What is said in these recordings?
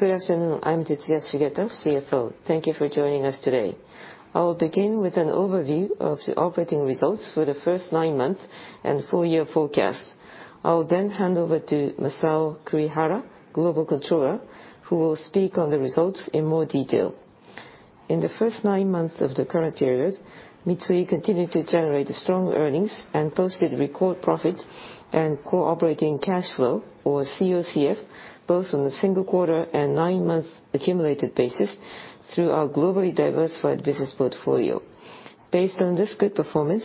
Good afternoon. I'm Tetsuya Shigeta, CFO. Thank you for joining us today. I will begin with an overview of the operating results for the first nine months and full year forecast. I will then hand over to Masao Kurihara, Global Controller, who will speak on the results in more detail. In the first nine months of the current period, Mitsui continued to generate strong earnings and posted record profit and Core Operating Cash Flow, or COCF, both on the single quarter and nine-month accumulated basis through our globally diversified business portfolio. Based on this good performance,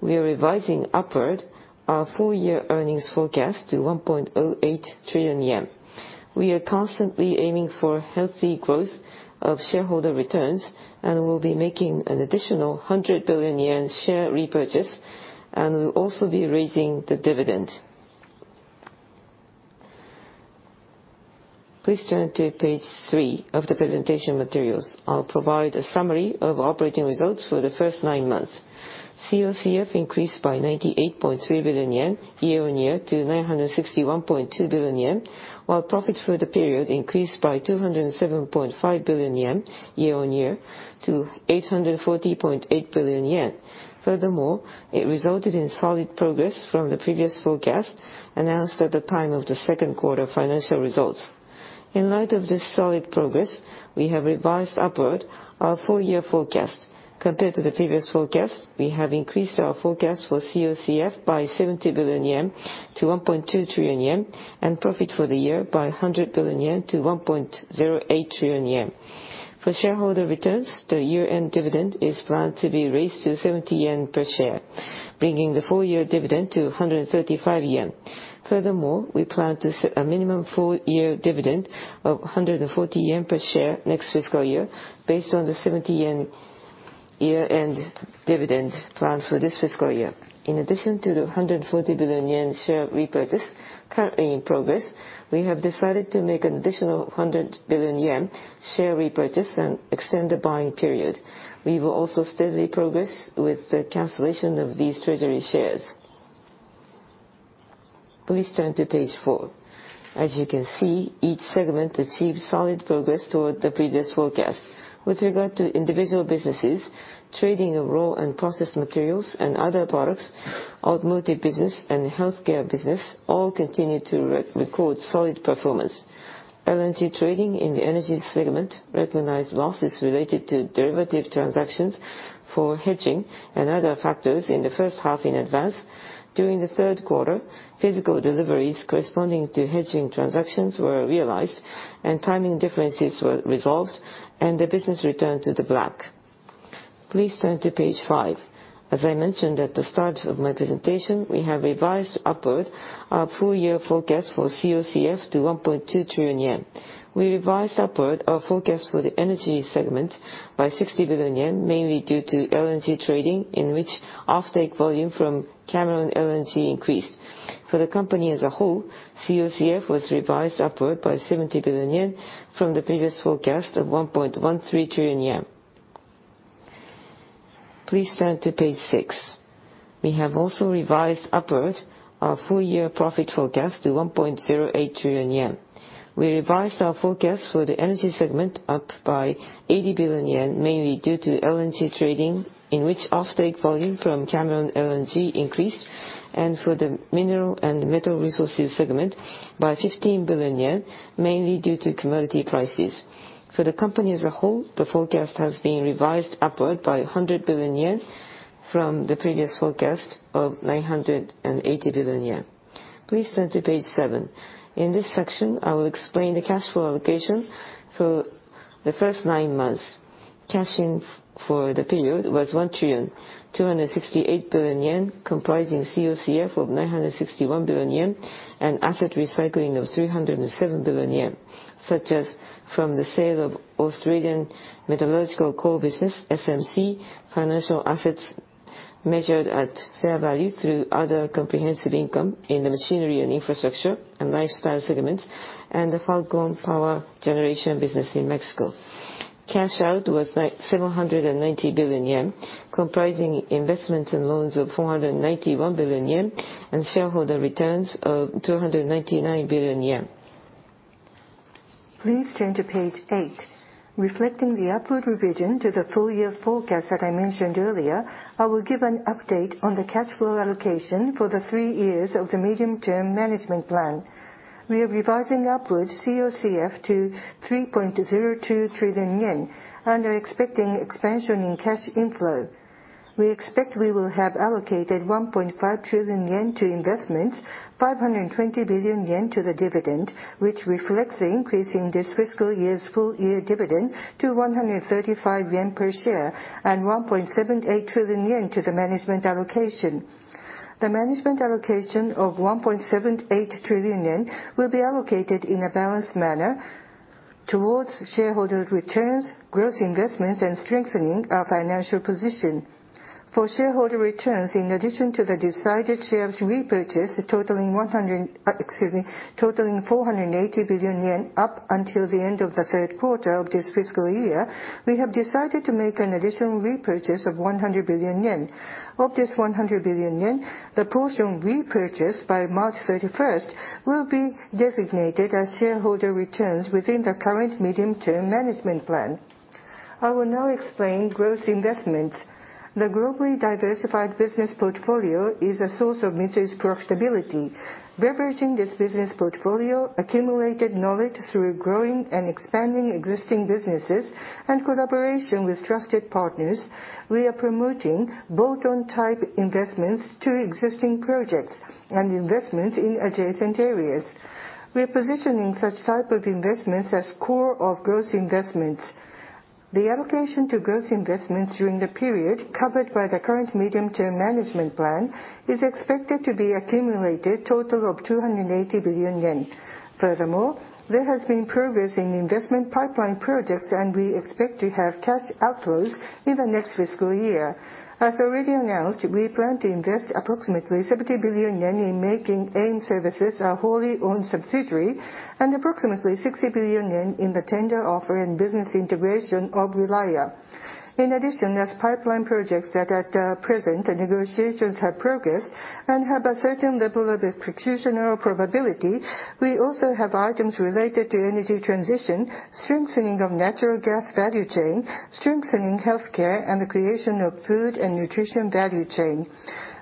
we are revising upward our full-year earnings forecast to 1.08 trillion yen. We are constantly aiming for healthy growth of shareholder returns. We'll be making an additional 100 billion yen share repurchase. We'll also be raising the dividend. Please turn to page 3 of the presentation materials. I'll provide a summary of operating results for the first nine months. COCF increased by 98.3 billion yen year-on-year to 961.2 billion yen, while profit for the period increased by 207.5 billion yen year-on-year to 840.8 billion yen. It resulted in solid progress from the previous forecast announced at the time of the second quarter financial results. In light of this solid progress, we have revised upward our full-year forecast. Compared to the previous forecast, we have increased our forecast for COCF by 70 billion yen to 1.2 trillion yen, and profit for the year by 100 billion yen to 1.08 trillion yen. For shareholder returns, the year-end dividend is planned to be raised to 70 yen per share, bringing the full-year dividend to 135 yen. We plan to set a minimum full-year dividend of 140 yen per share next fiscal year based on the 70 yen year-end dividend plan for this fiscal year. In addition to the 140 billion yen share repurchase currently in progress, we have decided to make an additional 100 billion yen share repurchase and extend the buying period. We will also steadily progress with the cancellation of these treasury shares. Please turn to page 4. As you can see, each segment achieved solid progress toward the previous forecast. With regard to individual businesses, trading of raw and processed materials and other products, automotive business, and healthcare business all continued to re-record solid performance. LNG trading in the energy segment recognized losses related to derivative transactions for hedging and other factors in the first half in advance. During the third quarter, physical deliveries corresponding to hedging transactions were realized, and timing differences were resolved, and the business returned to the black. Please turn to page 5. As I mentioned at the start of my presentation, we have revised upward our full-year forecast for COCF to 1.2 trillion yen. We revised upward our forecast for the energy segment by 60 billion yen, mainly due to LNG trading, in which offtake volume from Cameron LNG increased. For the company as a whole, COCF was revised upward by 70 billion yen from the previous forecast of 1.13 trillion yen. Please turn to page 6. We have also revised upward our full-year profit forecast to 1.08 trillion yen. We revised our forecast for the energy segment up by 80 billion yen, mainly due to LNG trading, in which offtake volume from Cameron LNG increased, and for the Mineral & Metal Resources segment by 15 billion yen, mainly due to commodity prices. For the company as a whole, the forecast has been revised upward by 100 billion yen from the previous forecast of 980 billion yen. Please turn to page 7. In this section, I will explain the cash flow allocation for the first nine months. Cash-in for the period was 1,268 billion yen, comprising COCF of 961 billion yen and asset recycling of 307 billion yen, such as from the sale of Australian metallurgical coal business, SMC, financial assets measured at fair value through other comprehensive income in the machinery and infrastructure and lifestyle segments, and the Falcon power generation business in Mexico. Cash out was 790 billion yen, comprising investments in loans of 491 billion yen and shareholder returns of 299 billion yen. Please turn to page 8. Reflecting the upward revision to the full-year forecast that I mentioned earlier, I will give an update on the cash flow allocation for the three years of the Medium-Term Management Plan. We are revising upward COCF to 3.02 trillion yen and are expecting expansion in cash inflow. We expect we will have allocated 1.5 trillion yen to investments, 520 billion yen to the dividend, which reflects the increase in this fiscal year's full year dividend to 135 yen per share, and 1.78 trillion yen to the management allocation. The management allocation of 1.78 trillion yen will be allocated in a balanced manner towards shareholder returns, growth investments, and strengthening our financial position. For shareholder returns, in addition to the decided shares repurchase totaling 480 billion yen up until the end of the third quarter of this fiscal year, we have decided to make an additional repurchase of 100 billion yen. Of this 100 billion yen, the portion repurchased by March 31st will be designated as shareholder returns within the current Medium-Term Management Plan. I will now explain growth investments. The globally diversified business portfolio is a source of Mitsui's profitability. Leveraging this business portfolio, accumulated knowledge through growing and expanding existing businesses, and collaboration with trusted partners, we are promoting bolt-on type investments to existing projects and investments in adjacent areas. We are positioning such type of investments as core of growth investments. The allocation to growth investments during the period covered by the current Medium-Term Management Plan is expected to be accumulated total of 280 billion yen. There has been progress in investment pipeline projects, and we expect to have cash outflows in the next fiscal year. As already announced, we plan to invest approximately 70 billion yen in making AIM Services a wholly owned subsidiary, and approximately 60 billion yen in the tender offer and business integration of Relia. In addition, as pipeline projects that at present negotiations have progressed and have a certain level of execution probability, we also have items related to energy transition, strengthening of natural gas value chain, strengthening healthcare, and the creation of food and nutrition value chain.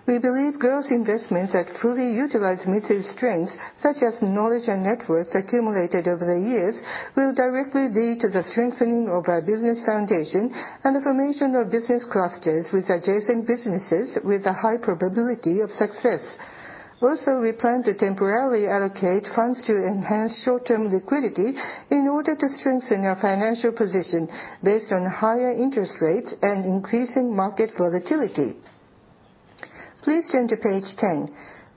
We believe growth investments that fully utilize Mitsui's strengths, such as knowledge and networks accumulated over the years, will directly lead to the strengthening of our business foundation and the formation of business clusters with adjacent businesses with a high probability of success. We plan to temporarily allocate funds to enhance short-term liquidity in order to strengthen our financial position based on higher interest rates and increasing market volatility. Please turn to page 10.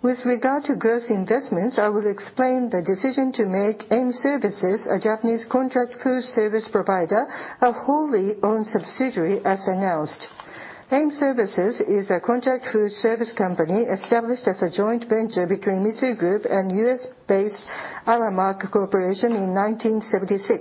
With regard to growth investments, I will explain the decision to make AIM Services, a Japanese contract food service provider, a wholly owned subsidiary as announced. AIM Services is a contract food service company established as a joint venture between Mitsui Group and US-based Aramark Corporation in 1976.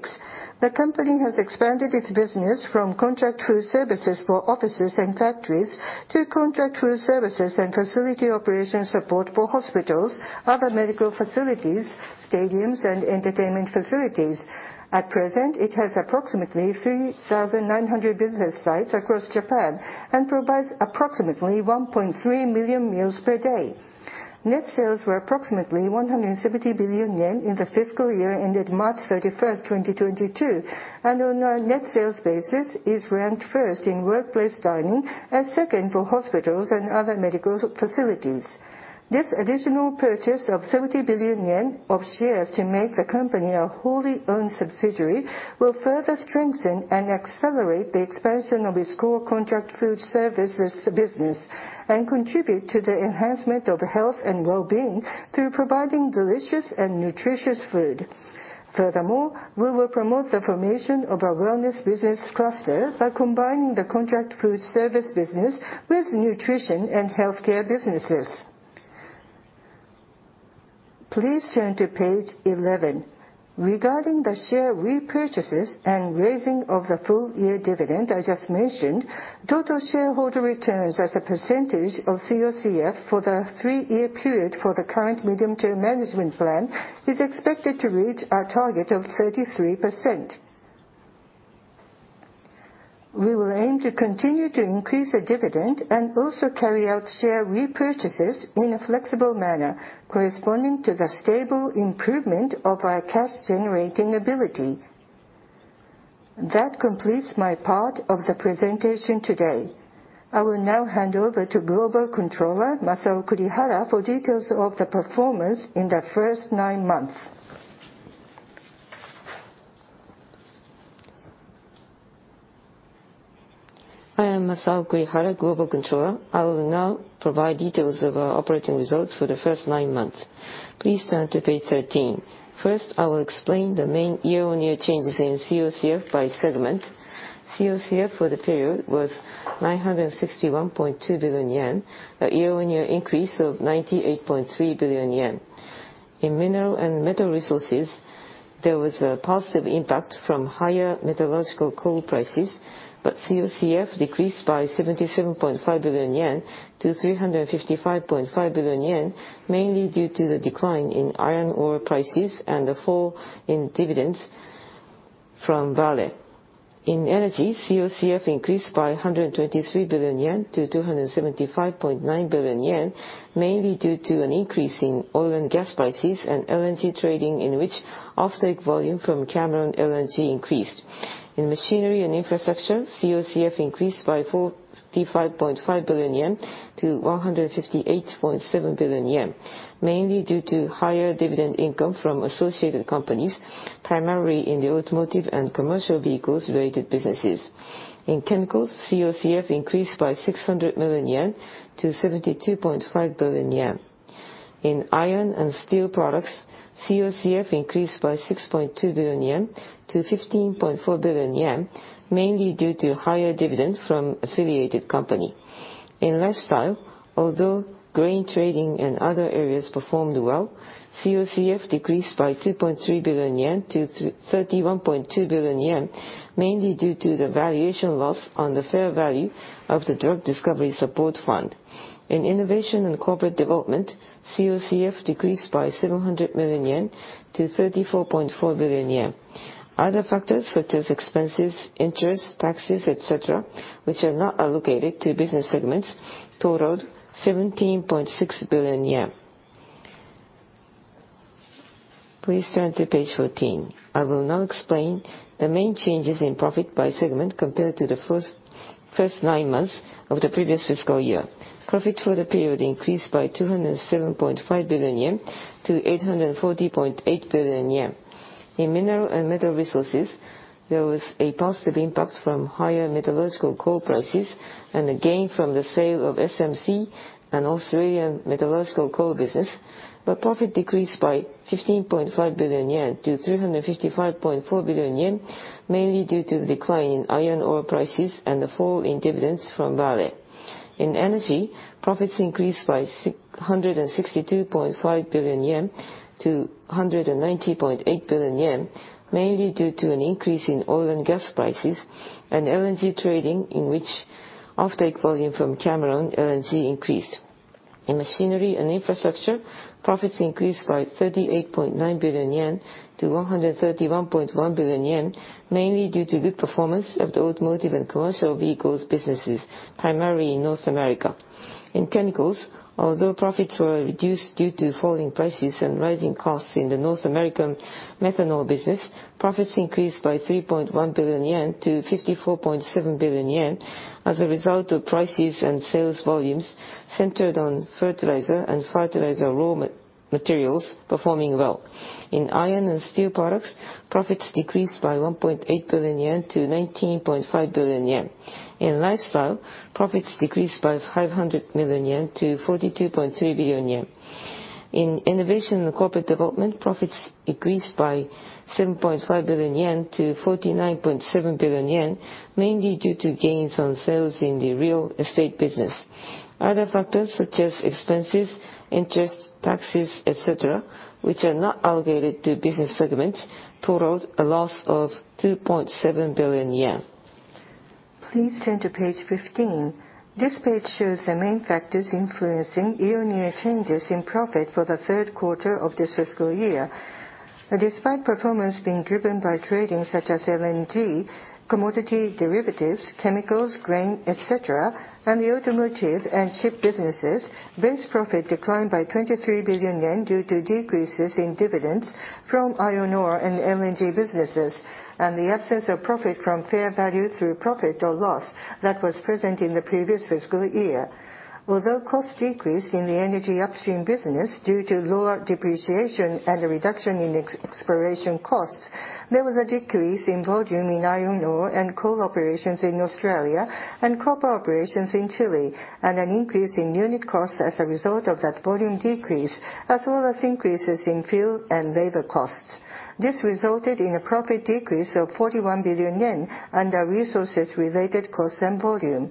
The company has expanded its business from contract food services for offices and factories to contract food services and facility operation support for hospitals, other medical facilities, stadiums, and entertainment facilities. At present, it has approximately 3,900 business sites across Japan and provides approximately 1.3 million meals per day. Net sales were approximately 170 billion yen in the fiscal year ended March 31, 2022, and on a net sales basis is ranked first in workplace dining and second for hospitals and other medical facilities. This additional purchase of 70 billion yen of shares to make the company a wholly owned subsidiary will further strengthen and accelerate the expansion of its core contract food services business and contribute to the enhancement of health and wellbeing through providing delicious and nutritious food. Furthermore, we will promote the formation of a wellness business cluster by combining the contract food service business with nutrition and healthcare businesses. Please turn to page 11. Regarding the share repurchases and raising of the full year dividend I just mentioned, total shareholder returns as a percentage of COCF for the three-year period for the current Medium-Term Management Plan is expected to reach our target of 33%. We will aim to continue to increase the dividend and also carry out share repurchases in a flexible manner corresponding to the stable improvement of our cash-generating ability. That completes my part of the presentation today. I will now hand over to Global Controller Masao Kurihara for details of the performance in the first nine months. I am Masao Kurihara, Global Controller. I will now provide details of our operating results for the first nine months. Please turn to page 13. First, I will explain the main year-on-year changes in COCF by segment. COCF for the period was 961.2 billion yen, a year-on-year increase of 98.3 billion yen. In Mineral & Metal Resources, there was a positive impact from higher metallurgical coal prices, but COCF decreased by 77.5 billion-355.5 billion yen, mainly due to the decline in iron ore prices and the fall in dividends from Vale. In energy, COCF increased by 123 billion-275.9 billion yen, mainly due to an increase in oil and gas prices and LNG trading, in which offtake volume from Cameron LNG increased. In machinery and infrastructure, COCF increased by 45.5 billion-158.7 billion yen, mainly due to higher dividend income from associated companies, primarily in the automotive and commercial vehicles-related businesses. In chemicals, COCF increased by 600 million yen to 72.5 billion yen. In iron and steel products, COCF increased by 6.2 billion-15.4 billion yen, mainly due to higher dividends from affiliated company. In lifestyle, although grain trading and other areas performed well, COCF decreased by 2.3 billion-31.2 billion yen, mainly due to the valuation loss on the fair value of the drug discovery support fund. In innovation and corporate development, COCF decreased by 700 million yen to 34.4 billion yen. Other factors such as expenses, interest, taxes, et cetera, which are not allocated to business segments, totaled JPY 17.6 billion. Please turn to page 14. I will now explain the main changes in profit by segment compared to the first nine months of the previous fiscal year. Profit for the period increased by 207.5 billion-840.8 billion yen. In Mineral & Metal Resources, there was a positive impact from higher metallurgical coal prices and a gain from the sale of SMC, an Australian metallurgical coal business. Profit decreased by 15.5 billion-355.4 billion yen, mainly due to the decline in iron ore prices and the fall in dividends from Vale. In Energy, profits increased by 662.5 billion-190.8 billion yen, mainly due to an increase in oil and gas prices and LNG trading, in which offtake volume from Cameron LNG increased. In Machinery & Infrastructure, profits increased by 38.9 billion-131.1 billion yen, mainly due to good performance of the automotive and commercial vehicles businesses, primarily in North America. In Chemicals, although profits were reduced due to falling prices and rising costs in the North American methanol business, profits increased by 3.1 billion-54.7 billion yen as a result of prices and sales volumes centered on fertilizer and fertilizer raw materials performing well. In Iron & Steel Products, profits decreased by 1.8 billion-19.5 billion yen. In Lifestyle, profits decreased by 500 million yen to 42.3 billion yen. In Innovation & Corporate Development, profits increased by 7.5 billion-49.7 billion yen, mainly due to gains on sales in the real estate business. Other factors such as expenses, interest, taxes, et cetera, which are not allocated to business segments, totaled a loss of 2.7 billion yen. Please turn to page 15. This page shows the main factors influencing year-over-year changes in profit for the third quarter of this fiscal year. Despite performance being driven by trading such as LNG, commodity derivatives, chemicals, grain, et cetera, and the automotive and ship businesses, base profit declined by 23 billion yen due to decreases in dividends from iron ore and LNG businesses, and the absence of profit from fair value through profit or loss that was present in the previous fiscal year. Although costs decreased in the energy upstream business due to lower depreciation and a reduction in ex-exploration costs, there was a decrease in volume in iron ore and coal operations in Australia and copper operations in Chile, and an increase in unit costs as a result of that volume decrease, as well as increases in fuel and labor costs. This resulted in a profit decrease of 41 billion yen under resources-related costs and volume.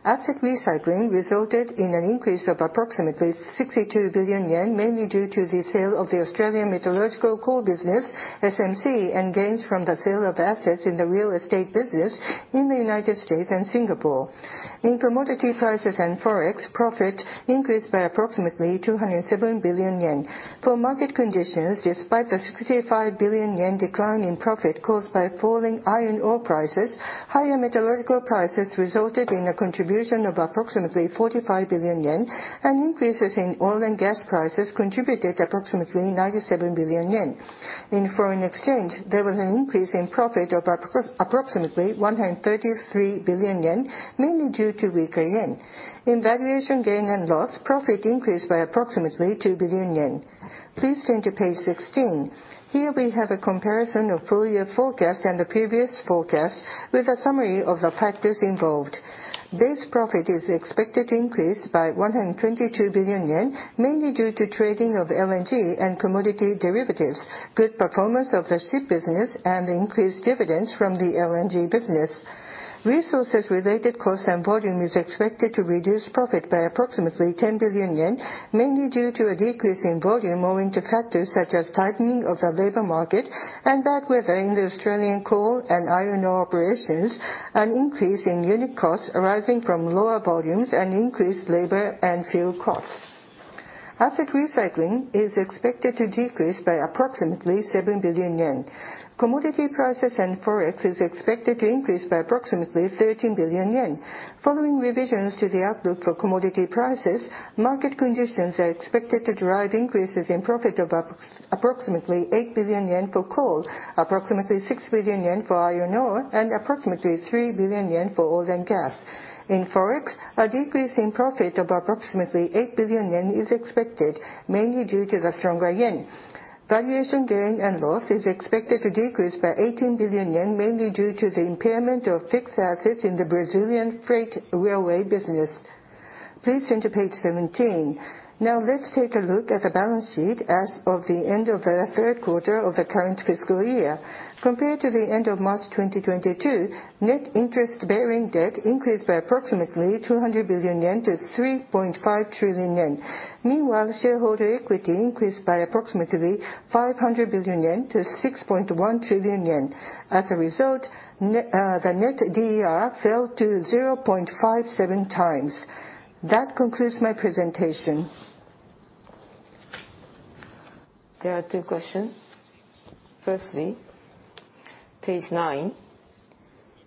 Asset recycling resulted in an increase of approximately 62 billion yen, mainly due to the sale of the Australian metallurgical coal business, SMC, and gains from the sale of assets in the real estate business in the United States and Singapore. In commodity prices and Forex, profit increased by approximately 207 billion yen. For market conditions, despite a 65 billion yen decline in profit caused by falling iron ore prices, higher metallurgical prices resulted in a contribution of approximately 45 billion yen, and increases in oil and gas prices contributed approximately 97 billion yen. In foreign exchange, there was an increase in profit of approximately 133 billion yen, mainly due to weaker yen. In valuation gain and loss, profit increased by approximately 2 billion yen. Please turn to page 16. Here we have a comparison of full year forecast and the previous forecast with a summary of the factors involved. Base profit is expected to increase by 122 billion yen, mainly due to trading of LNG and commodity derivatives, good performance of the ship business, and increased dividends from the LNG business. Resources-related costs and volume is expected to reduce profit by approximately 10 billion yen, mainly due to a decrease in volume owing to factors such as tightening of the labor market and bad weather in the Australian coal and iron ore operations, an increase in unit costs arising from lower volumes, and increased labor and fuel costs. Asset recycling is expected to decrease by approximately 7 billion yen. Commodity prices and Forex is expected to increase by approximately 13 billion yen. Following revisions to the outlook for commodity prices, market conditions are expected to drive increases in profit of approximately 8 billion yen for coal, approximately 6 billion yen for iron ore, and approximately 3 billion yen for oil and gas. In Forex, a decrease in profit of approximately 8 billion yen is expected, mainly due to the stronger yen. Valuation gain and loss is expected to decrease by 18 billion yen, mainly due to the impairment of fixed assets in the Brazilian freight railway business. Please turn to page 17. Now let's take a look at the balance sheet as of the end of the third quarter of the current fiscal year. Compared to the end of March 2022, net interest-bearing debt increased by approximately 200 billion yen to 3.5 trillion yen. Meanwhile, shareholder equity increased by approximately 500 billion yen to 6.1 trillion yen. As a result, the Net DER fell to 0.57x. That concludes my presentation. There are two questions. Firstly, page 9,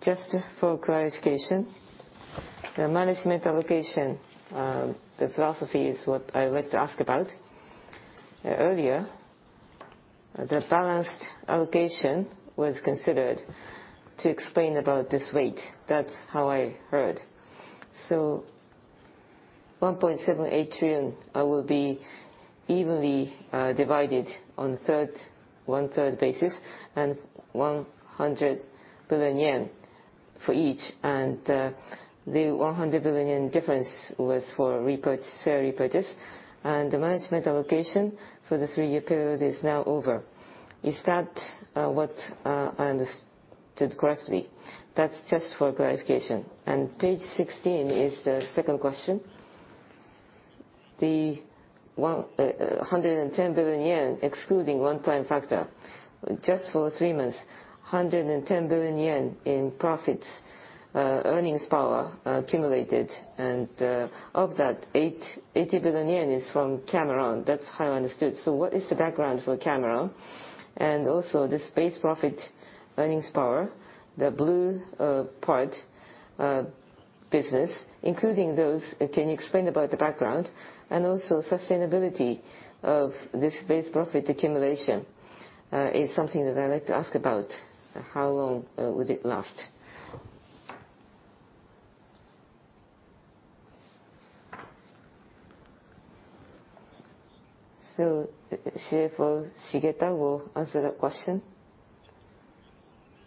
just for clarification, the management allocation, the philosophy is what I would like to ask about. Earlier, the balanced allocation was considered to explain about this rate. That's how I heard. 1.78 trillion will be evenly divided on third, one-third basis and 100 billion yen for each, and the 100 billion yen difference was for repurchase, share repurchase. The management allocation for the three-year period is now over. Is that what I understood correctly? That's just for clarification. Page 16 is the second question. The 110 billion yen, excluding one-time factor, just for three months, 110 billion yen in profits, earnings power accumulated, and of that 80 billion yen is from Cameron. That's how I understood. What is the background for Cameron? Also this base profit earnings power, the blue part business, including those, can you explain about the background? Also sustainability of this base profit accumulation is something that I'd like to ask about. How long would it last? CFO Shigeta will answer that question.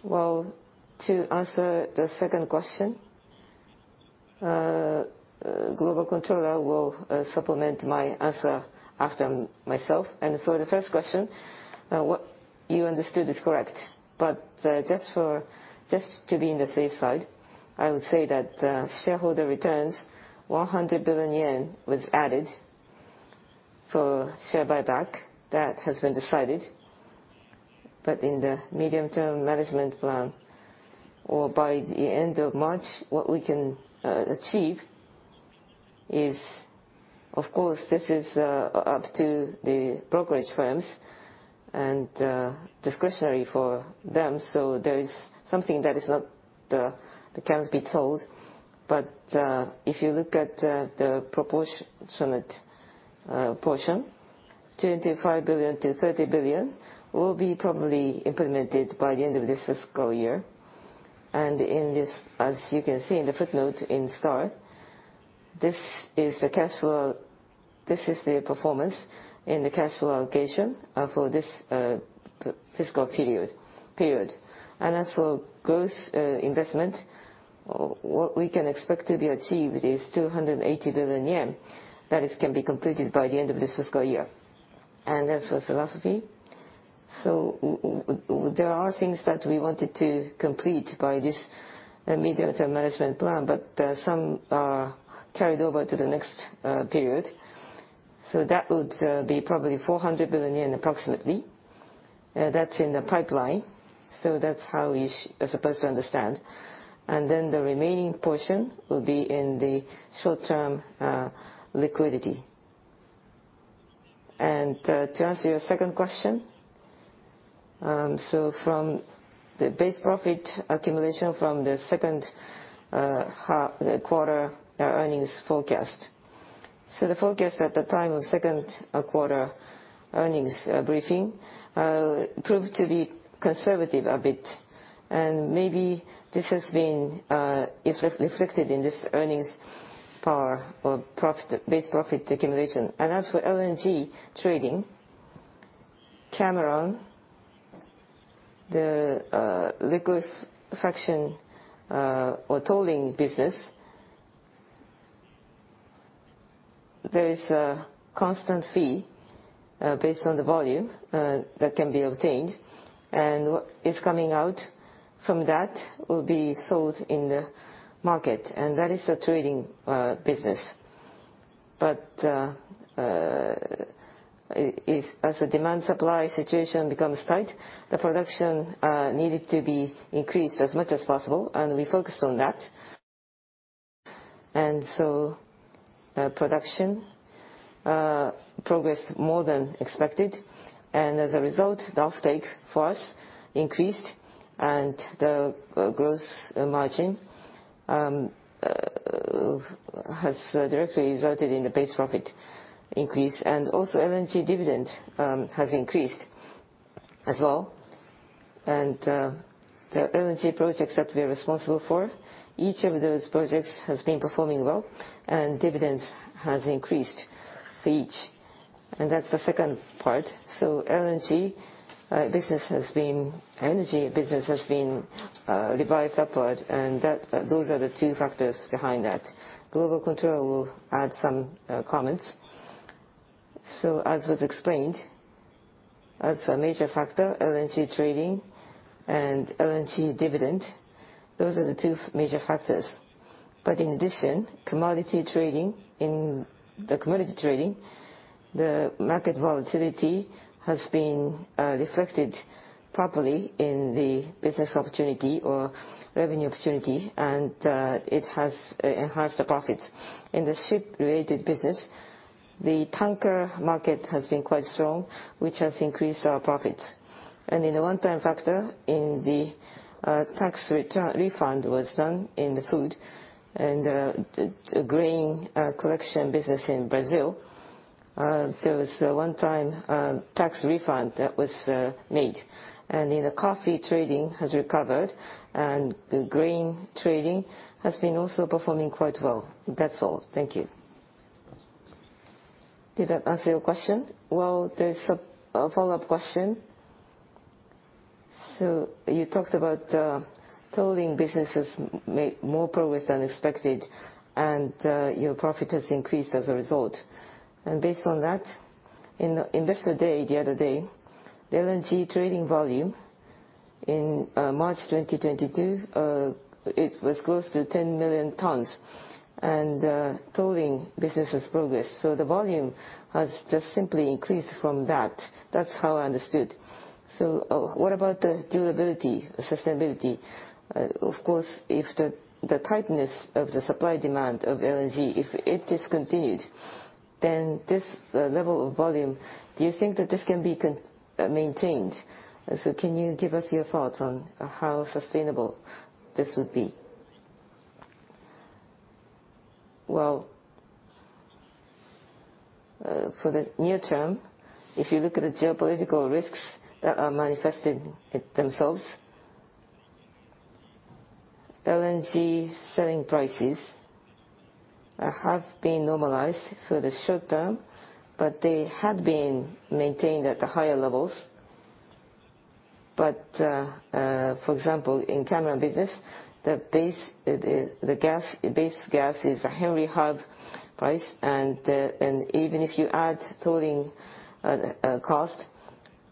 Well, to answer the second question, Global Controller will supplement my answer after myself. For the first question, what you understood is correct. Just to be in the safe side, I would say that shareholder returns, 100 billion yen was added for share buyback. That has been decided. In the Medium-Term Management Plan, or by the end of March, what we can achieve is, of course, this is up to the brokerage firms, and discretionary for them, so there is something that is not that cannot be told. If you look at the proportionate portion, 25 billion-30 billion will be probably implemented by the end of this fiscal year. In this, as you can see in the footnote in star, this is the cash flow, this is the performance in the cash flow allocation for this fiscal period. As for growth investment, what we can expect to be achieved is 280 billion yen, that is, can be completed by the end of this fiscal year. As for philosophy, there are things that we wanted to complete by this Medium-Term Management Plan, but some are carried over to the next period. That would be probably 400 billion yen approximately. That's in the pipeline. That's how you are supposed to understand. The remaining portion will be in the short-term liquidity. To answer your second question, from the base profit accumulation from the second quarter earnings forecast. The forecast at the time of second quarter earnings briefing proved to be conservative a bit, and maybe this has been is re-reflected in this earnings power or profit, base profit accumulation. As for LNG trading, Cameron, the liquefaction or tolling business, there is a constant fee based on the volume that can be obtained, and what is coming out from that will be sold in the market, and that is the trading business. As the demand supply situation becomes tight, the production needed to be increased as much as possible, and we focused on that. Production progressed more than expected. As a result, the offtake for us increased, and the gross margin has directly resulted in the base profit increase. LNG dividend has increased as well. The LNG projects that we are responsible for, each of those projects has been performing well, and dividends has increased for each. That's the second part. LNG business has been, LNG business has been revised upward, those are the two factors behind that. Global Controller will add some comments. As was explained, as a major factor, LNG trading and LNG dividend, those are the two major factors. In addition, commodity trading, in the commodity trading, the market volatility has been reflected properly in the business opportunity or revenue opportunity, and it has enhanced the profits. In the ship-related business. The tanker market has been quite strong, which has increased our profits. In the one-time factor, in the tax refund was done in the food, and the grain collection business in Brazil, there was a one-time tax refund that was made. In the coffee trading has recovered, and the grain trading has been also performing quite well. That's all. Thank you. Did that answer your question? Well, there's a follow-up question. You talked about tolling businesses made more progress than expected, and your profit has increased as a result. Based on that, in Investor Day the other day, the LNG trading volume in March 2022, it was close to 10 million tons, and tolling business has progressed. The volume has just simply increased from that. That's how I understood. What about the durability, sustainability? Of course, if the tightness of the supply-demand of LNG, if it is continued, then this level of volume, do you think that this can be maintained? Can you give us your thoughts on how sustainable this would be? Well, for the near term, if you look at the geopolitical risks that are manifesting it themselves, LNG selling prices have been normalized for the short term, but they have been maintained at higher levels. For example, in Cameron business, the base gas is a Henry Hub price. And even if you add tolling cost,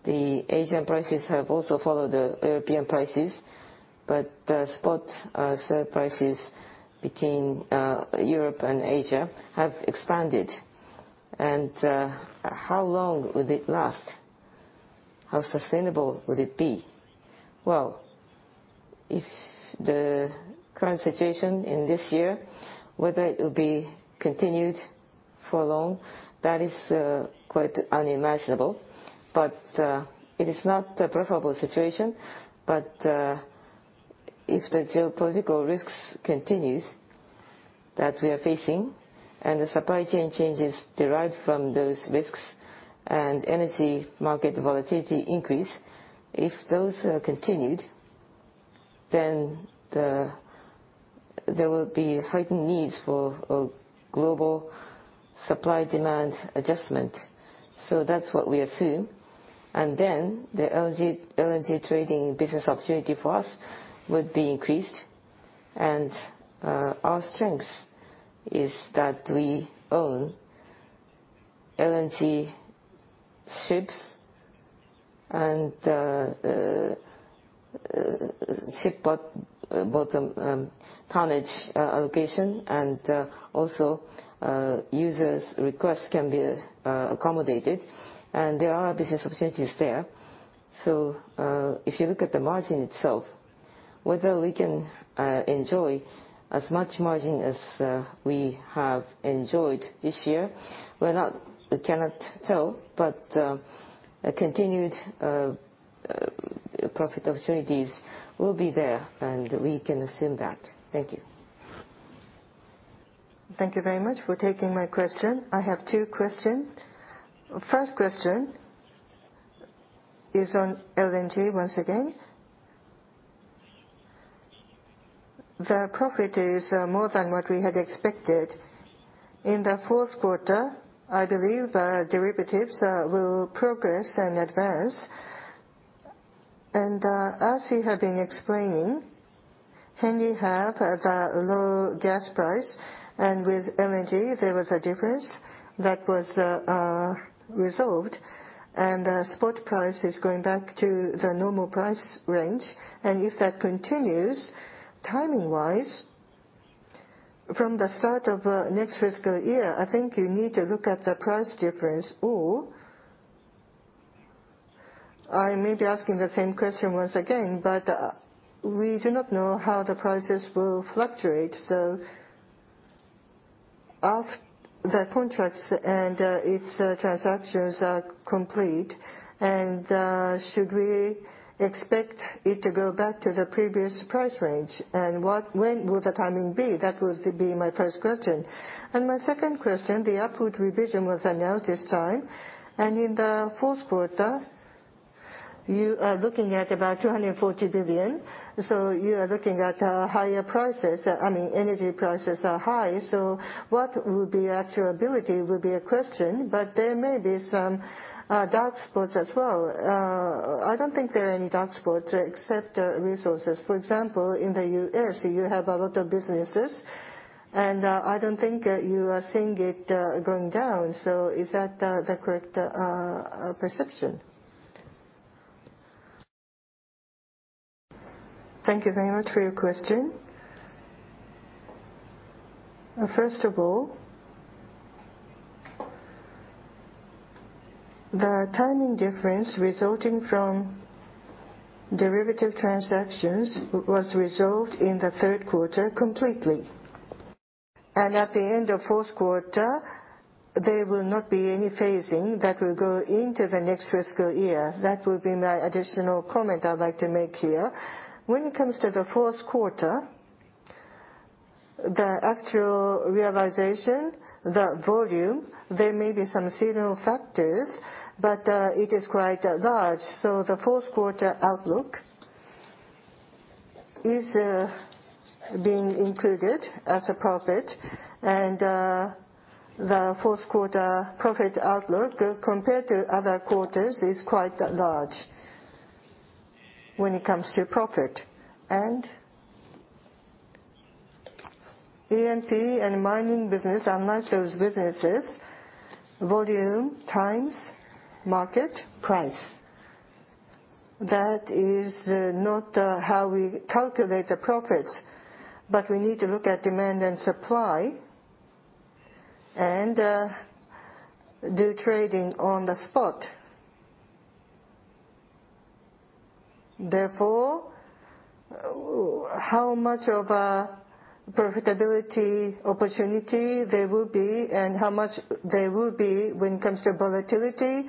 the Asian prices have also followed the European prices. Spot sell prices between Europe and Asia have expanded. How long would it last? How sustainable would it be? Well, if the current situation in this year, whether it will be continued for long, that is quite unimaginable. It is not a preferable situation. If the geopolitical risks continues that we are facing, and the supply chain changes derived from those risks, and energy market volatility increase, if those continued, then there will be heightened needs for a global supply-demand adjustment. That's what we assume. Then the LNG trading business opportunity for us would be increased. Our strength is that we own LNG ships and ship bottom tonnage allocation, and also users' requests can be accommodated. There are business opportunities there. If you look at the margin itself, whether we can enjoy as much margin as we have enjoyed this year, we cannot tell. A continued profit opportunities will be there, and we can assume that. Thank you. Thank you very much for taking my question. I have two questions. First question is on LNG once again. The profit is more than what we had expected. In the fourth quarter, I believe derivatives will progress and advance. As you have been explaining, Henry Hub has a low gas price, and with LNG, there was a difference that was resolved. Spot price is going back to the normal price range. If that continues, timing-wise, from the start of next fiscal year, I think you need to look at the price difference. I may be asking the same question once again, but we do not know how the prices will fluctuate. Of the contracts and its transactions are complete, should we expect it to go back to the previous price range? When will the timing be? That would be my first question. My second question, the upward revision was announced this time. In the fourth quarter, you are looking at about 240 billion. You are looking at higher prices. I mean, energy prices are high. What would be your ability would be a question. There may be some dark spots as well. I don't think there are any dark spots except resources. For example, in the U.S., you have a lot of businesses, and I don't think you are seeing it going down. Is that the correct perception? Thank you very much for your question. First of all The timing difference resulting from derivative transactions was resolved in the third quarter completely. At the end of fourth quarter, there will not be any phasing that will go into the next fiscal year. That will be my additional comment I'd like to make here. When it comes to the fourth quarter, the actual realization, the volume, there may be some seasonal factors, but it is quite large. The fourth quarter outlook is being included as a profit. The fourth quarter profit outlook compared to other quarters is quite large when it comes to profit. E&P and mining business, unlike those businesses, volume times market price. That is not how we calculate the profits, but we need to look at demand and supply, and do trading on the spot. Therefore, how much of a profitability opportunity there will be, and how much there will be when it comes to volatility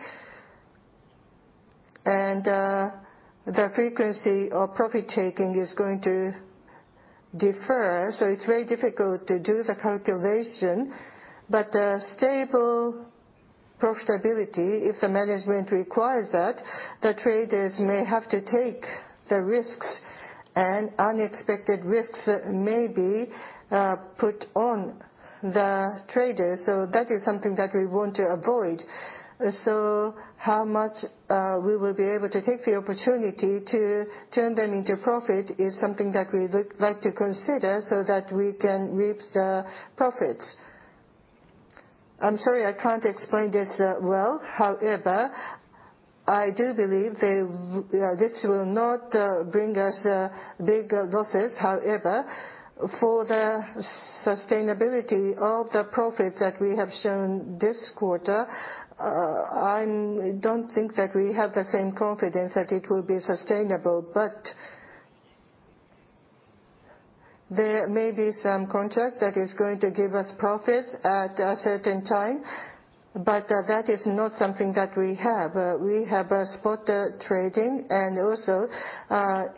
and the frequency of profit taking is going to differ, it's very difficult to do the calculation. Stable profitability, if the management requires that, the traders may have to take the risks, and unexpected risks may be put on the traders. That is something that we want to avoid. How much we will be able to take the opportunity to turn them into profit is something that we would like to consider so that we can reap the profits. I'm sorry, I can't explain this well. However, I do believe they this will not bring us big losses. However, for the sustainability of the profits that we have shown this quarter, I don't think that we have the same confidence that it will be sustainable. There may be some contracts that is going to give us profits at a certain time, but that is not something that we have. We have spot trading, and also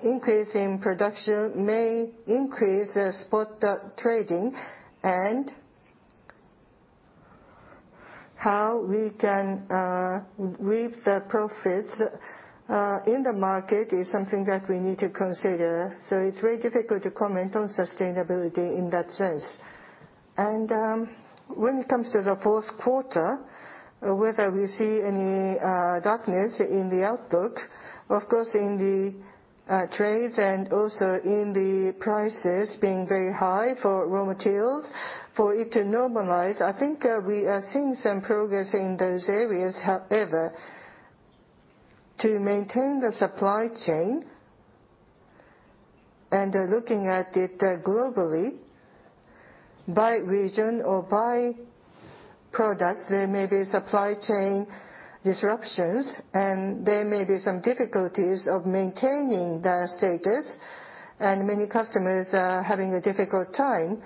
increase in production may increase spot trading. How we can reap the profits in the market is something that we need to consider, so it's very difficult to comment on sustainability in that sense. When it comes to the fourth quarter, whether we see any darkness in the outlook, of course, in the trades and also in the prices being very high for raw materials, for it to normalize, I think we are seeing some progress in those areas. However, to maintain the supply chain, looking at it globally by region or by product, there may be supply chain disruptions, and there may be some difficulties of maintaining the status, and many customers are having a difficult time.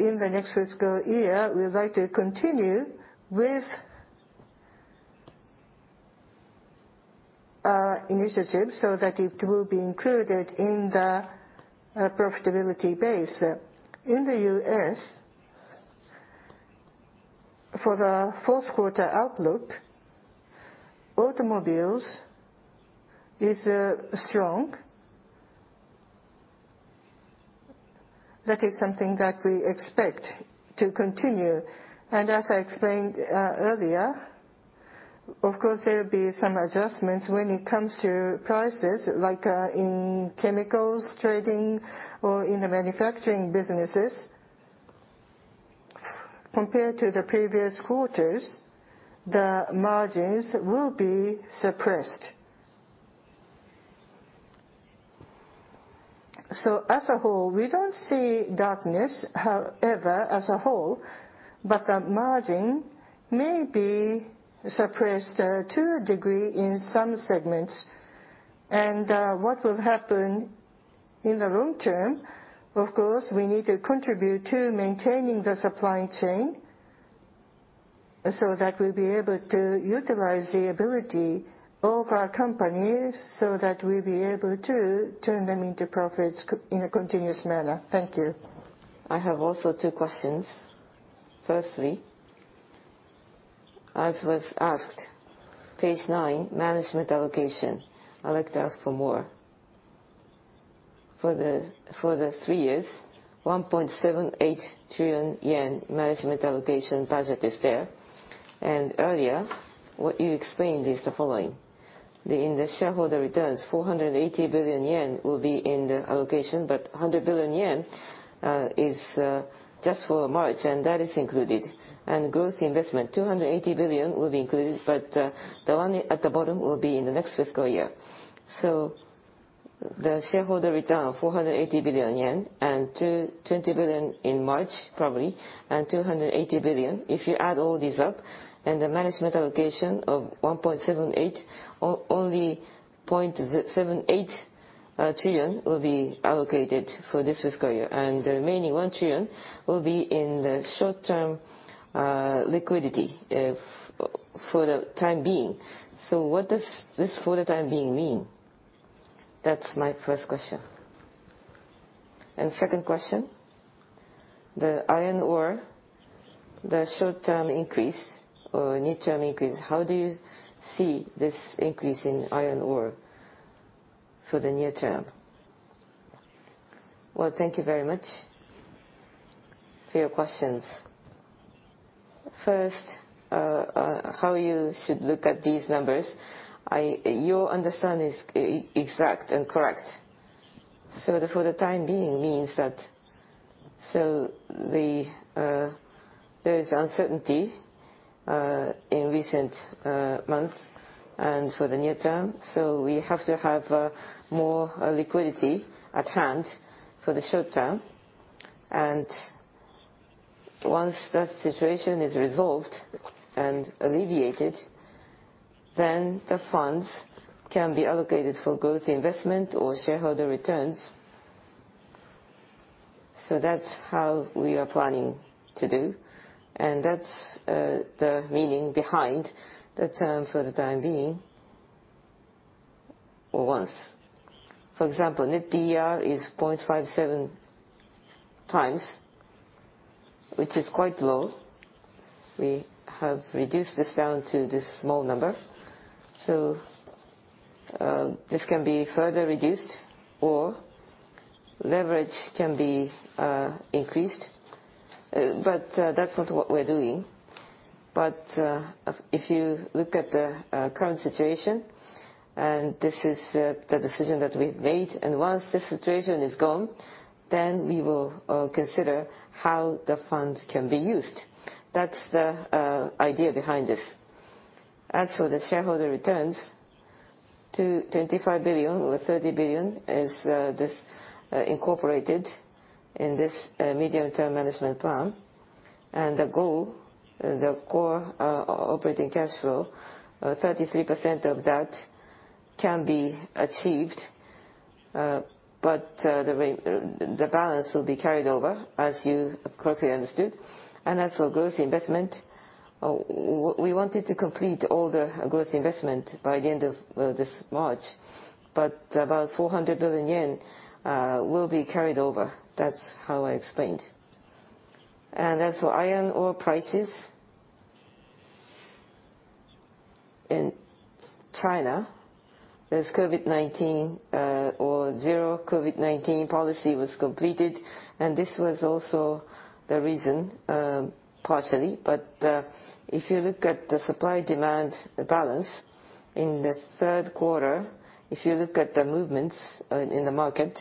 In the next fiscal year, we would like to continue with our initiatives so that it will be included in the profitability base. In the U.S., for the fourth quarter outlook, automobiles is strong. That is something that we expect to continue. As I explained earlier, of course there'll be some adjustments when it comes to prices like, in chemicals trading or in the manufacturing businesses. Compared to the previous quarters, the margins will be suppressed. As a whole, we don't see darkness, however, as a whole, but the margin may be suppressed to a degree in some segments. What will happen in the long term, of course, we need to contribute to maintaining the supply chain so that we'll be able to utilize the ability of our companies, so that we'll be able to turn them into profits in a continuous manner. Thank you. I have also two questions. Firstly, as was asked, page nine, management allocation. I'd like to ask for more. For the three years, 1.78 trillion yen management allocation budget is there. Earlier, what you explained is the following. In the shareholder returns, 480 billion yen will be in the allocation, but 100 billion yen is just for March, and that is included. Growth investment, 280 billion will be included, but the one at the bottom will be in the next fiscal year. The shareholder return of 480 billion yen, and 20 billion in March, probably, and 280 billion. If you add all these up, the management allocation of 1.78 trillion, only 0.78 trillion will be allocated for this fiscal year, the remaining 1 trillion will be in the short-term liquidity if, for the time being. What does this for the time being mean? That's my first question. Second question, the iron ore, the short-term increase or near-term increase, how do you see this increase in iron ore for the near term? Well, thank you very much for your questions. First, how you should look at these numbers. Your understanding is exact and correct. The for the time being means that, there is uncertainty in recent months and for the near term. We have to have more liquidity at hand for the short term. Once that situation is resolved and alleviated, then the funds can be allocated for growth investment or shareholder returns. That's how we are planning to do, and that's the meaning behind the term for the time being, or once. For example, Net DER is 0.57x, which is quite low. We have reduced this down to this small number. This can be further reduced or leverage can be increased. That's not what we're doing. If you look at the current situation, this is the decision that we've made. Once the situation is gone, then we will consider how the funds can be used. That's the idea behind this. As for the shareholder returns, 25 billion or 30 billion is this incorporated in this Medium-Term Management Plan. The goal, the Core Operating Cash Flow, 33% of that can be achieved. The balance will be carried over as you correctly understood. As for growth investment, we wanted to complete all the growth investment by the end of this March, but about 400 billion yen will be carried over. That's how I explained. As for iron ore prices in China, this COVID-19, or zero COVID-19 policy was completed, and this was also the reason, partially. If you look at the supply-demand balance in the third quarter, if you look at the movements in the market,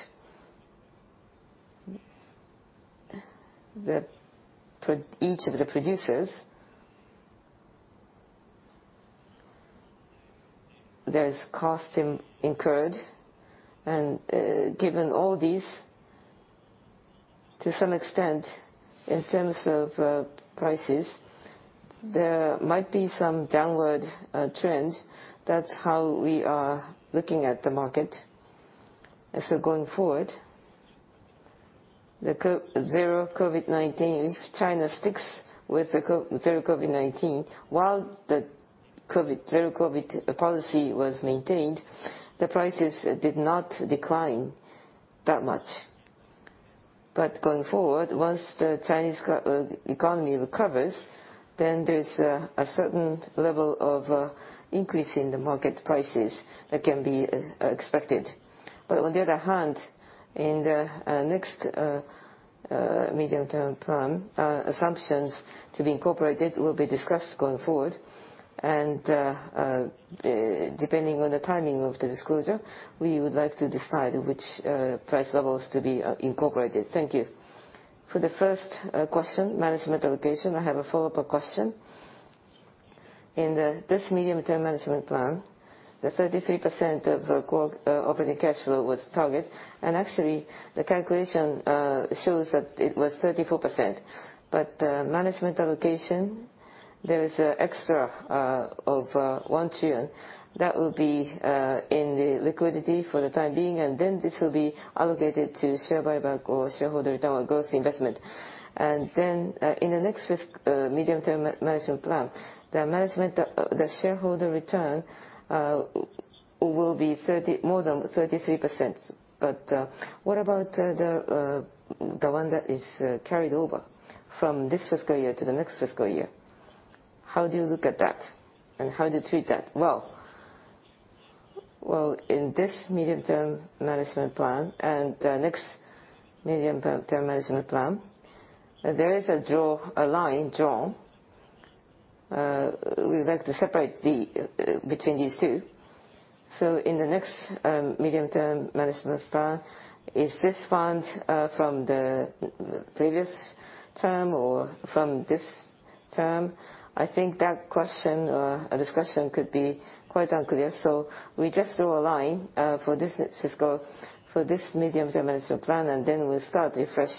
each of the producers, there is cost incurred. Given all these, to some extent, in terms of prices, there might be some downward trend. That's how we are looking at the market. Going forward, zero COVID-19, if China sticks with zero COVID-19, while the zero COVID policy was maintained, the prices did not decline that much. Going forward, once the Chinese economy recovers, then there's a certain level of increase in the market prices that can be expected. On the other hand, in the next Medium-Term Management Plan, assumptions to be incorporated will be discussed going forward. Depending on the timing of the disclosure, we would like to decide which price levels to be incorporated. Thank you. For the first question, management allocation, I have a follow-up question. In this Medium-Term Management Plan, the 33% of Core Operating Cash Flow was target. Actually, the calculation shows that it was 34%. Management allocation, there is extra of 1 trillion that will be in the liquidity for the time being, this will be allocated to share buyback or shareholder return on growth investment. In the next risk, Medium-Term Management Plan, the management, the shareholder return will be more than 33%. What about the one that is carried over from this fiscal year to the next fiscal year? How do you look at that, and how do you treat that? Well, well, in this Medium-Term Management Plan and the next Medium-Term Management Plan, there is a line drawn. We would like to separate the between these two. In the next Medium-Term Management Plan, is this funds from the previous term or from this term? I think that question or discussion could be quite unclear. We just draw a line for this fiscal, for this Medium-Term Management Plan, and then we'll start refresh.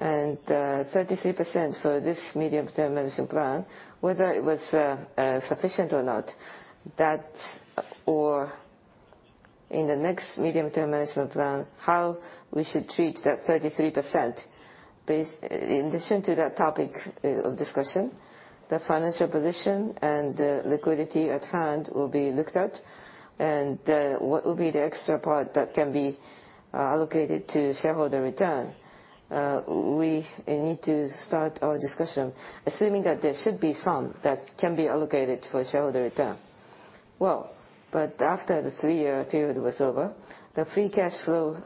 33% for this Medium-Term Management Plan, whether it was sufficient or not, that... Or in the next Medium-Term Management Plan, how we should treat that 33% based in addition to that topic of discussion, the financial position and liquidity at hand will be looked at. What will be the extra part that can be allocated to shareholder return. We need to start our discussion assuming that there should be some that can be allocated for shareholder return. After the three-year period was over, the free cash flow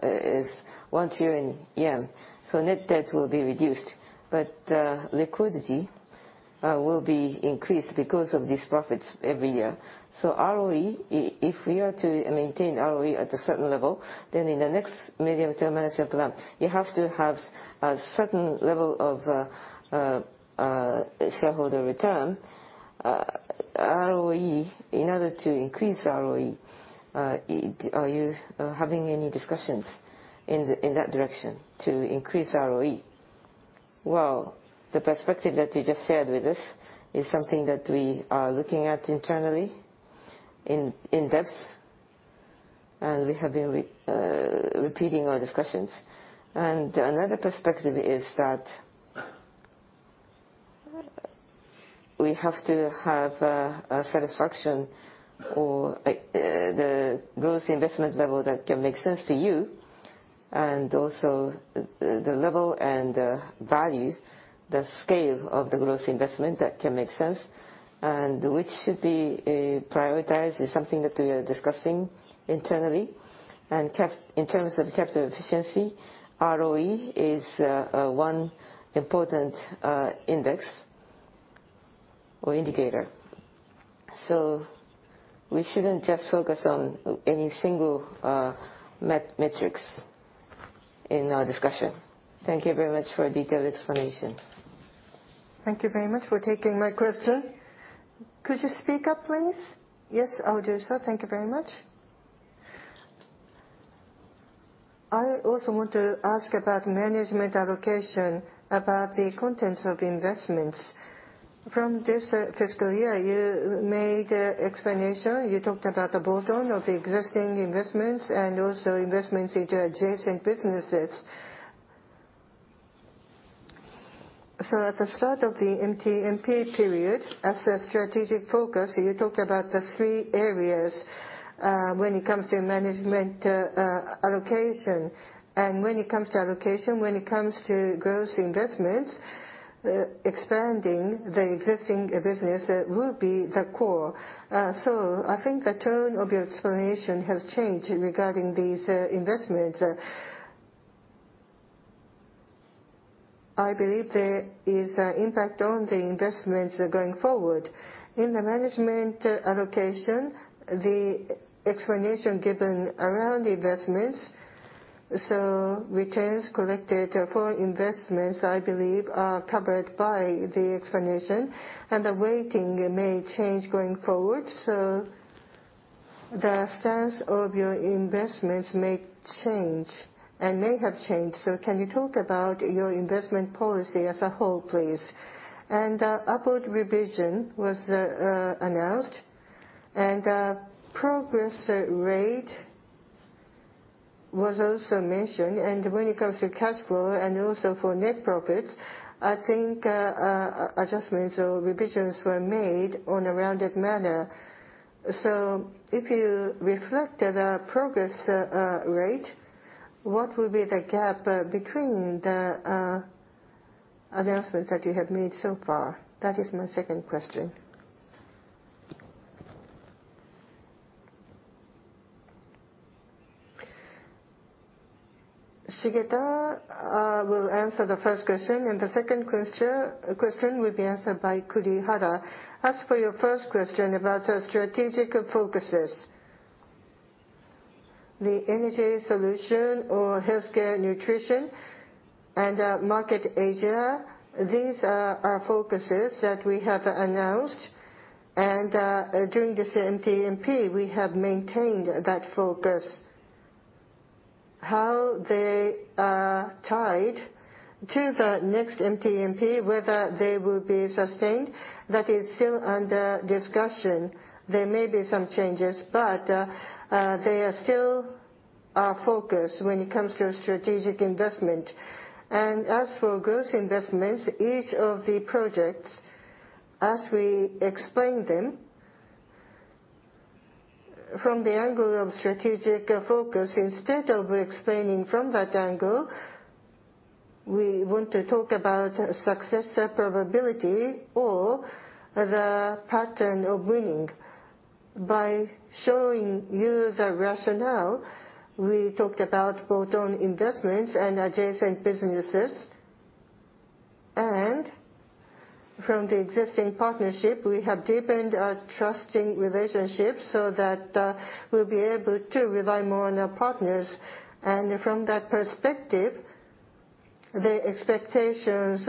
is 1 trillion yen. Net debt will be reduced, but liquidity will be increased because of these profits every year. ROE, if we are to maintain ROE at a certain level, then in the next Medium-Term Management Plan, you have to have a certain level of shareholder return, ROE in order to increase ROE. Are you having any discussions in that direction to increase ROE? The perspective that you just shared with us is something that we are looking at internally in depth, and we have been repeating our discussions. Another perspective is that we have to have a satisfaction or the growth investment level that can make sense to you, and also the level and value, the scale of the growth investment that can make sense. Which should be prioritized is something that we are discussing internally. In terms of capital efficiency, ROE is one important index or indicator. We shouldn't just focus on any single metrics in our discussion. Thank you very much for a detailed explanation. Thank you very much for taking my question. Could you speak up, please? Yes, I will do so. Thank you very much. I also want to ask about management allocation, about the contents of investments. From this fiscal year, you made explanation, you talked about the bolt-on of existing investments and also investments into adjacent businesses. At the start of the MTMP period, as a strategic focus, you talked about the three areas, when it comes to management, allocation. When it comes to allocation, when it comes to growth investments, expanding the existing business will be the core. I think the tone of your explanation has changed regarding these, investments. I believe there is an impact on the investments going forward. In the management allocation, the explanation given around investments, so returns collected for investments, I believe, are covered by the explanation, and the weighting may change going forward. The stance of your investments may change and may have changed. Can you talk about your investment policy as a whole, please? Upward revision was announced, and progress rate was also mentioned. When it comes to cash flow and also for net profit, I think adjustments or revisions were made on a rounded manner. If you reflect the progress rate, what will be the gap between the announcements that you have made so far? That is my second question. Shigeta will answer the first question, and the second question will be answered by Kurihara. As for your first question about our strategic focuses, the energy solution or healthcare nutrition, and Market Asia, these are our focuses that we have announced. During this MTMP, we have maintained that focus. How they are tied to the next MTMP, whether they will be sustained, that is still under discussion. There may be some changes, but they are still our focus when it comes to strategic investment. As for growth investments, each of the projects, as we explain them from the angle of strategic focus, instead of explaining from that angle, we want to talk about success probability or the pattern of winning. By showing you the rationale, we talked about bolt-on investments and adjacent businesses. From the existing partnership, we have deepened our trusting relationship so that we'll be able to rely more on our partners. From that perspective, the expectations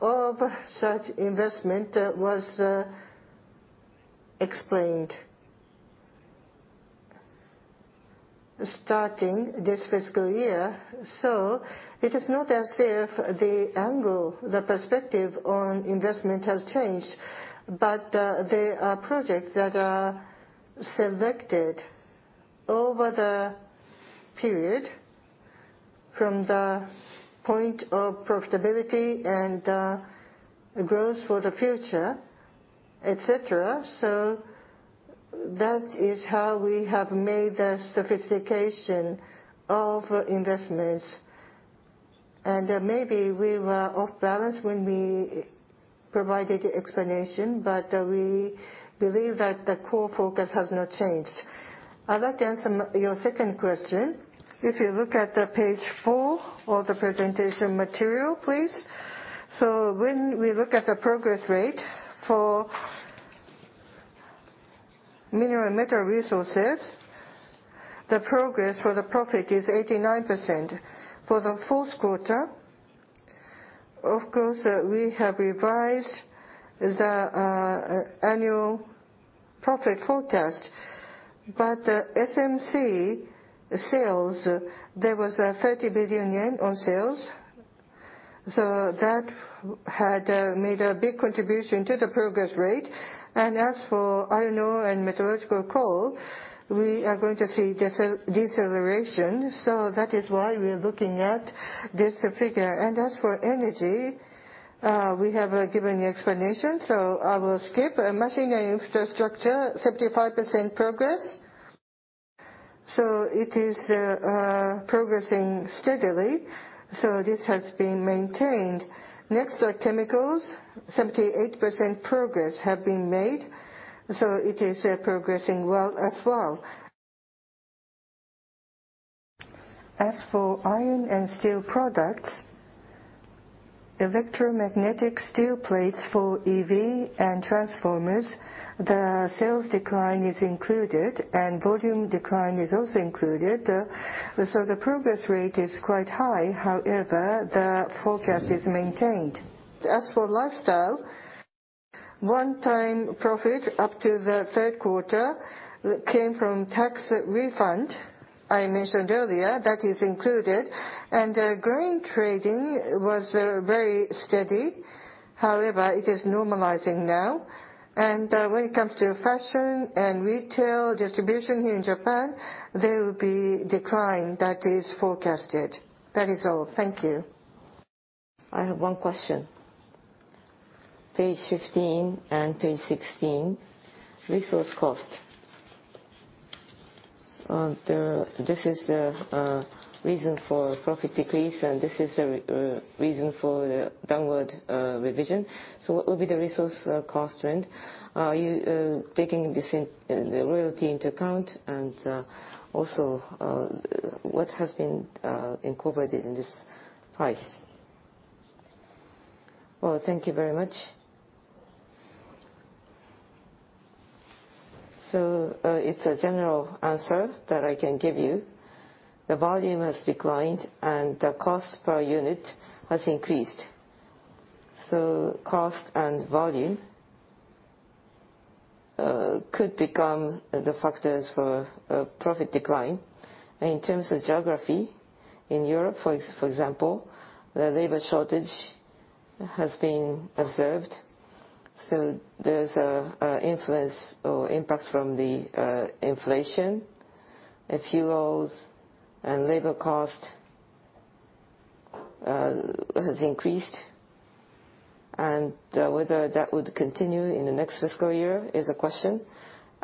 of such investment was explained starting this fiscal year. It is not as if the angle, the perspective on investment has changed, but there are projects that are selected over the period from the point of profitability and the growth for the future, et cetera. That is how we have made the sophistication of investments. Maybe we were off balance when we provided the explanation, but we believe that the core focus has not changed. I'd like to answer your second question. If you look at the page 4 of the presentation material, please. When we look at the progress rate for Mineral & Metal Resources, the progress for the profit is 89%. For the fourth quarter, of course, we have revised the annual profit forecast. SMC sales, there was a 30 billion yen on sales, that had made a big contribution to the progress rate. As for iron ore and metallurgical coal, we are going to see deceleration, that is why we are looking at this figure. As for energy, we have given the explanation, I will skip. Machine and infrastructure, 75% progress, it is progressing steadily. This has been maintained. Next are chemicals, 78% progress have been made, it is progressing well as well. As for iron and steel products, electromagnetic steel plates for EV and transformers, the sales decline is included and volume decline is also included, so the progress rate is quite high. The forecast is maintained. As for lifestyle, one-time profit up to the third quarter came from tax refund I mentioned earlier. That is included. Grain trading was very steady. It is normalizing now. When it comes to fashion and retail distribution here in Japan, there will be decline that is forecasted. That is all. Thank you. I have one question. Page 15 and page 16, resource cost. This is the reason for profit decrease, and this is the reason for the downward revision. What will be the resource cost trend? Are you taking the royalty into account? Also, what has been incorporated in this price Well, thank you very much. It's a general answer that I can give you. The volume has declined, and the cost per unit has increased. Cost and volume could become the factors for a profit decline. In terms of geography, in Europe, for example, the labor shortage has been observed, so there's an influence or impact from the inflation. Fuels and labor cost has increased. Whether that would continue in the next fiscal year is a question.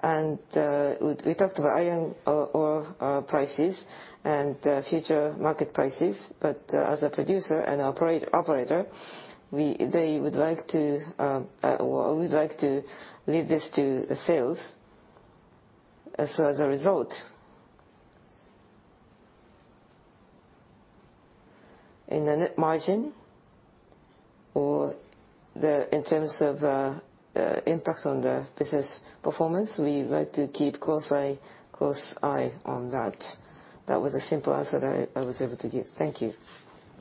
We talked about iron ore prices and future market prices. As a producer and operator, they would like to, or we would like to leave this to sales. As a result, in the net margin or the, in terms of impact on the business performance, we'd like to keep close eye on that. That was a simple answer that I was able to give. Thank you.